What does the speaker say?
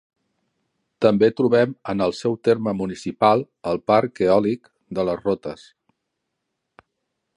També trobem en el seu terme municipal el Parc eòlic de les Rotes.